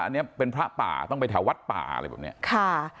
อันนี้เป็นพระป่าต้องไปแถววัดป่าอะไรแบบเนี้ยค่ะ